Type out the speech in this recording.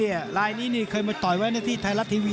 ไฟรายนี้เคยมาตอยข้อด้วยที่ไทยรัสทีวี